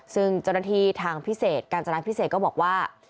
ซึ่งจุฏนทีทางพิเศษกัญจนาพิเศษก็บอกว่า